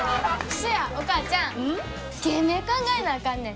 そやお母ちゃん芸名考えなあかんねん。